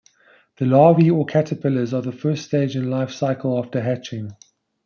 The larvae or caterpillars are the first stage in the life cycle after hatching.